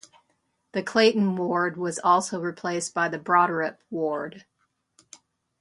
The Clayton Ward was also replaced by the Broderip Ward.